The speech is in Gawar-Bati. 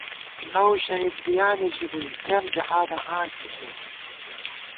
لؤ شہید بِیانےژِی بُوئی، گئیم جہاداں آن ݪِڅَر